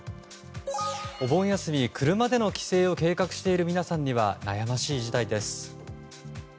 お盆休み、車での帰省を計画している皆さんには悩ましい事態です。